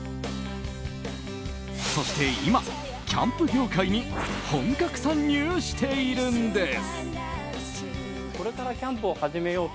そして、今、キャンプ業界に本格参入しているんです。